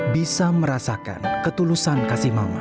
bisa merasakan ketulusan kasih mama